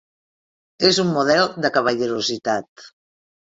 És un model de cavallerositat.